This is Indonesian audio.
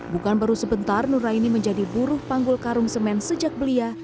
bukan baru sebentar nuraini menjadi buruh panggul karung semen sejak belia